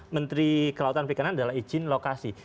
menteri kelautan perikanan adalah izin lokasi